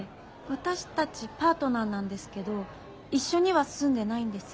私たちパートナーなんですけど一緒には住んでないんです。